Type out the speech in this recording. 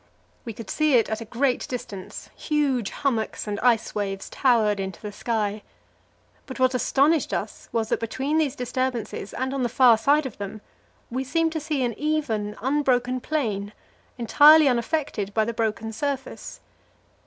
We could see it at a great distance; huge hummocks and ice waves towered into the sky. But what astonished us was that between these disturbances and on the far side of them, we seemed to see an even, unbroken plain, entirely unaffected by the broken surface.